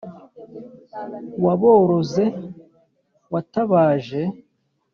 waboroze watabaje